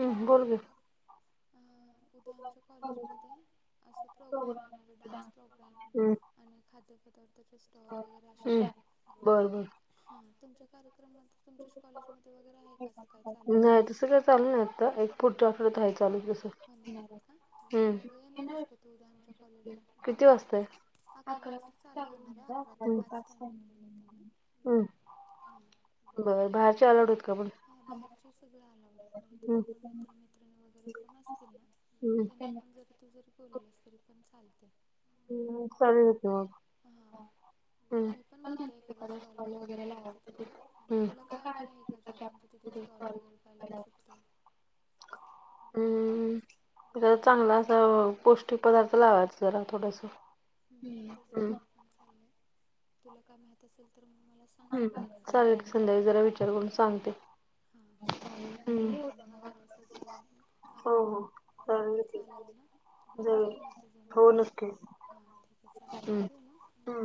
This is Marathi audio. हम् बोल ग हम्म [unintelligible] [unintelligible] ्र म हम्म बर बर. [unintelligible] तुमच्या कॉलेज मध्ये वगैरे आहे कसं काय चालू नाही तसं काय चालू नाही आता एक फूड पुढच्या जॉब होता आठवड्यात राहायचं चालू आम्ही दिसत. तस. होणार आहेत का मग येणार आहेस का तू उद्या आमच्या कॉलेजला. अकरा वाजता चालू होणार अडे आहे अकरा ते हम्म. पाच हम [inaudible] हा. बर बाहेरच्या [unintelligible] आलट होत का पण तुला मैत्रीण वगैरे कोण असतील ना हम्म त्यांना पण जरी तू जरी बोलल तरी पण चाल हम्म सले [unintelligible] होत मग हां हम्म मी पण म्हणते एखादा स्टॉल वगैरे लावायचा तिथे हम्म तुला काय आयडिया आहे, का जे आपण स्टॉल वगैरे काय लावू शकतो. हम्म त्या चांगला असा पौष्टिक पदार्थ लावायचा जरा. थोडंस हम्म हम तेच ऊ. माझं पण चाललंय तुला काय माहित असेल तर मग मला सांग हम् चालेल संध्याकाळपर्यंत संध्याका जरा विचार करून सांगते. हा चालेल आणि येऊ द्या मग हम्म अकरा वाजता जाऊया आपण. चालेल ना जर [unintelligible] होऊ नसते हा ठीक आहे चाल ठेव मग.